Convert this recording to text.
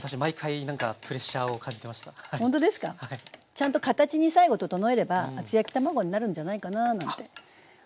ちゃんと形に最後整えれば厚焼き卵になるんじゃないかななんて思います。